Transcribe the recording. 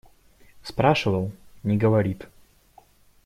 Спрашивал – не говорит.